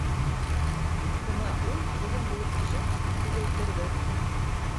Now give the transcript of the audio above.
Бына ул, килен булып төшөп, ике йыл торҙо.